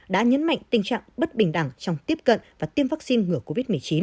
đã nhấn mạnh tình trạng bất bình đẳng trong tiếp cận và tiêm vaccine ngừa covid một mươi chín